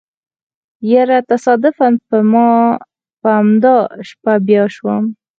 يره تصادفاً په امدا شپه بيا شوم.